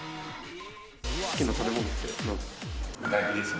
好きな食べ物ってなんですか？